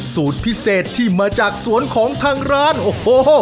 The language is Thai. สูตรพิเศษที่มาจากสวนของทางร้านโอ้โห